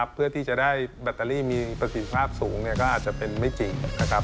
เพื่อที่จะได้แบตเตอรี่มีประสิทธิภาพสูงก็อาจจะเป็นไม่จริงนะครับ